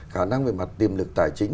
khả năng về mặt tiềm lực tài chính